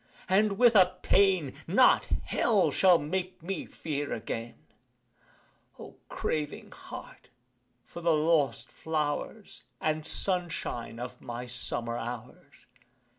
and with a pain Not Hell shall make me fear again O craving heart, for the lost flowers And sunshine of my summer hours!